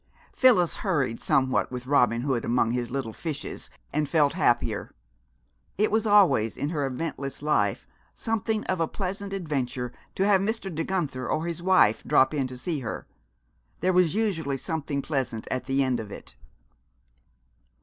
Phyllis hurried somewhat with Robin Hood among his little fishes, and felt happier. It was always, in her eventless life, something of a pleasant adventure to have Mr. De Guenther or his wife drop in to see her. There was usually something pleasant at the end of it.